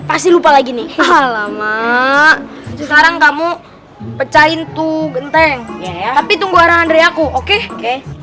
pasti lupa lagi nih lama sekarang kamu pecahin tuh genteng tapi tunggu arah andre aku oke oke